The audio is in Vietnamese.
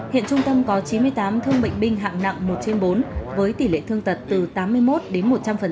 hiện trung tâm có chín mươi tám thương bệnh binh hạng nặng một trên bốn với tỷ lệ thương tật từ tám mươi một đến một trăm linh